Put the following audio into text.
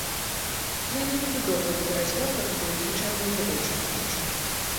Я не люблю доўга выбіраць вопратку і звычайна ведаю, чаго хачу.